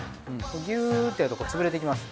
ギューッてやると潰れていきます。